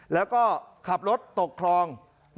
แล้วก็ขับรถตกคลอง